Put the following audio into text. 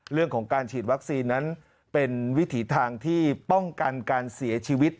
เรื่องของการฉีดวัคซีนนั้นเป็นวิถีทางที่ป้องกันการเสียชีวิต